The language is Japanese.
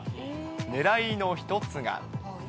ねらいの一つが。